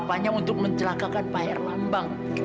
apanya untuk menjagakan pak herlambang